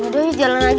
yaudah ya jalan lagi